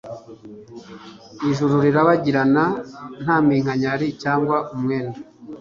Ijuru rirabagirana nta minkanyari cyangwa umwenda